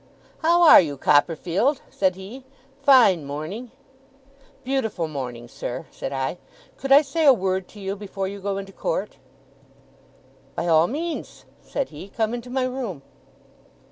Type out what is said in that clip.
'How are you, Copperfield?' said he. 'Fine morning!' 'Beautiful morning, sir,' said I. 'Could I say a word to you before you go into Court?' 'By all means,' said he. 'Come into my room.